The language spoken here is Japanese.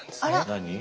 何？